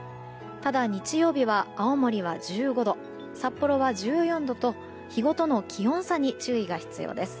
ただ、日曜日は青森は１５度札幌は１４度と日ごとの気温差に注意が必要です。